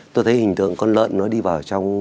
tôi thấy hình tượng con lợn nó đi vào trong